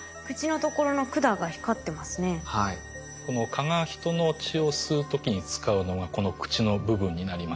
蚊が人の血を吸う時に使うのがこの口の部分になります。